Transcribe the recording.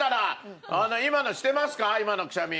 今のくしゃみ。